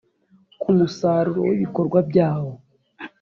ku musaruro w ibikorwa byawo